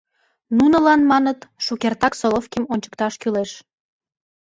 Нунылан, маныт, шукертак Соловким ончыкташ кӱлеш.